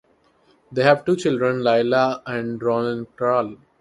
They have two children, Lyla and Ronin Krall.